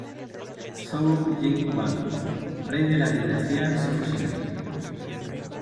Zhou Jing Wang, rey de la Dinastía Zhou China.